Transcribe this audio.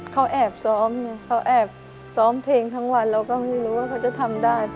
เขาแอบซ้อมไงเขาแอบซ้อมเพลงทั้งวันเราก็ไม่รู้ว่าเขาจะทำได้